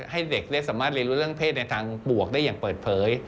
ให้เด็กได้สามารถเรียนรู้เรื่องเพศในทางบวกได้อย่างเปิดเผย